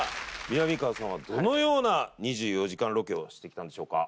みなみかわさんはどのような２４時間ロケをしてきたんでしょうか？